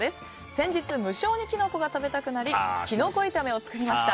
先日、無性にキノコが食べたくなりキノコ炒めを作りました。